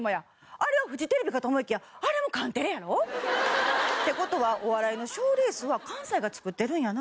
あれはフジテレビかと思いきやあれもカンテレやろ？って事はお笑いの賞レースは関西が作ってるんやな。